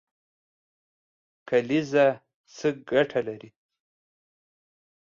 کلیزه څه ګټه لري؟